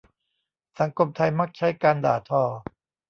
สังคมไทยมักใช้การด่าทอ